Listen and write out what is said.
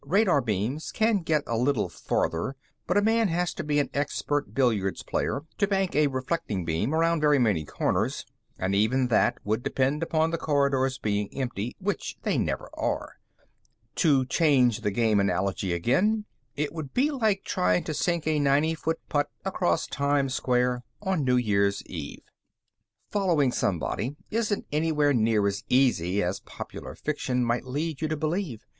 Radar beams can get a little farther, but a man has to be an expert billiards player to bank a reflecting beam around very many corners, and even that would depend upon the corridors being empty, which they never are. To change the game analogy again, it would be like trying to sink a ninety foot putt across Times Square on New Year's Eve. Following somebody isn't anywhere near as easy as popular fiction might lead you to believe.